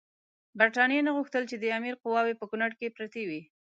برټانیې نه غوښتل چې د امیر قواوې په کونړ کې پرتې وي.